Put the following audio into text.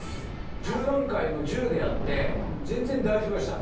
１０段階の１０でやって全然大丈夫でしたね。